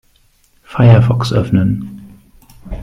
Firefox öffnen.